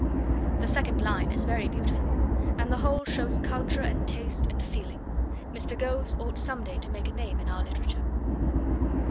The second line is very beautiful, and the whole shows culture and taste and feeling. Mr. Ghose ought some day to make a name in our literature.